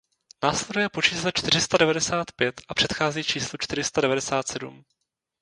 Následuje po čísle čtyři sta devadesát pět a předchází číslu čtyři sta devadesát sedm.